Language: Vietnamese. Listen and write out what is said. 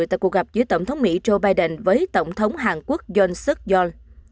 tại cuộc gặp giữa tổng thống mỹ joe biden với tổng thống hàn quốc jong suk yol